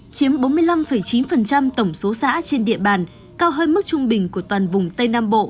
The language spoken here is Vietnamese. chiếm bốn mươi năm chín tổng số xã trên địa bàn cao hơn mức trung bình của toàn vùng tây nam bộ